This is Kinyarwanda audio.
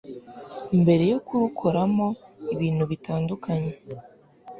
mbere yo kurukoramo ibintu bitandukanye,